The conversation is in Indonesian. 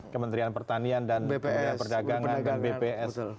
kementerian pertanian dan bps